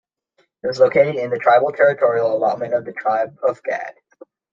It was located in the tribal territorial allotment of the tribe of Gad.